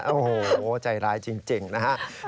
โอ้โหใจร้ายจริงนะฮะ